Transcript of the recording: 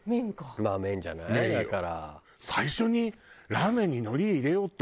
まあ麺じゃない？だから。